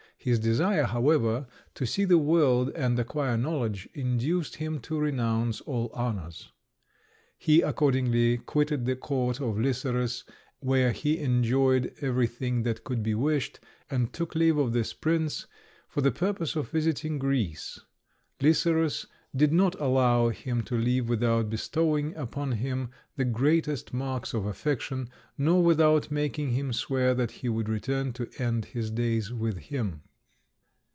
His desire, however, to see the world and acquire knowledge, induced him to renounce all honours. He accordingly quitted the court of Lycerus, where he enjoyed everything that could be wished, and took leave of this prince, for the purpose of visiting Greece. Lycerus did not allow him to leave without bestowing upon him the greatest marks of affection, nor without making him swear that he would return to end his days with him.